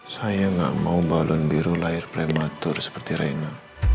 saya gak mau balun biru lahir prematur seperti reina